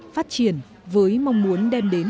phát triển với mong muốn đem đến